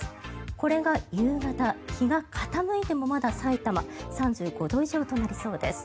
これが夕方、日が傾いてもまだ埼玉３５度以上となりそうです。